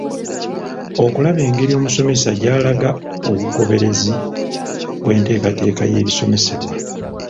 Okulaba engeri omusomesa gy’alaga obugoberezi bw’enteekateeka y’ebisomesebwa